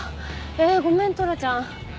ごめんトラちゃん。